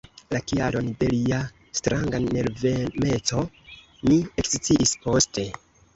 La kialon de lia stranga nervemeco mi eksciis poste.